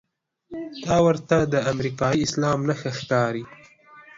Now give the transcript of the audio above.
دا ورته د امریکايي اسلام نښه ښکاري.